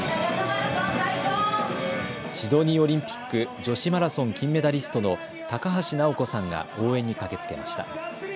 シドニーオリンピック女子マラソン金メダリストの高橋尚子さんが応援に駆けつけました。